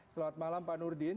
selamat malam pak nurdin